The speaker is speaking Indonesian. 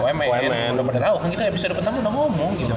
udah bener tau kan kita episode pertama udah ngomong